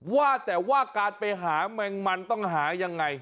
ว่าแต่ว่าการไปหาแมงมันต้องหายังไง